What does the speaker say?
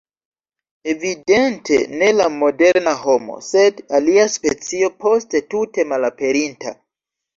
Evidente ne la moderna homo, sed alia specio poste tute malaperinta.